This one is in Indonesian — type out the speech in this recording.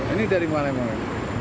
ini dari mana mana